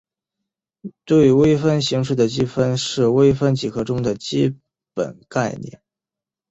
对微分形式的积分是微分几何中的基本概念。